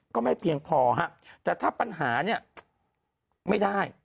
ก็ไม่เพียงพอฮะแต่ถ้าปัญหาเนี่ยไม่ได้